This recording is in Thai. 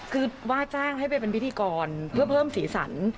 คือว่าจ้างให้ไปเป็นพิธีกรเพื่อเพิ่มสีสัน